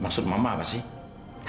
maksud mama pak